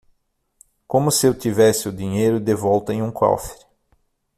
Como se eu tivesse o dinheiro de volta em um cofre.